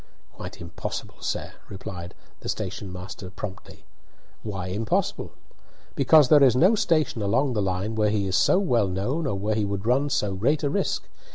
"Quite impossible, sir," replied the station master promptly. "Why impossible?" "Because there is no station along the line where he is so well known or where he would run so great a risk.